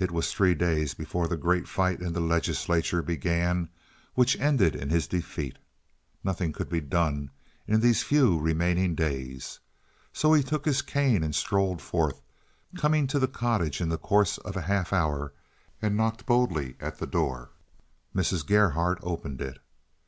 It was three days before the great fight in the Legislature began which ended in his defeat. Nothing could be done in these few remaining days. So he took his cane and strolled forth, coming to the cottage in the course of a half hour, and knocked boldly at the door. Mrs. Gerhardt opened it.